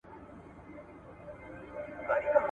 د دې کلي دنجونو څه مالداري جوړوم